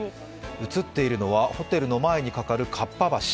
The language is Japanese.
映っているのは、ホテルの前に架かる河童橋。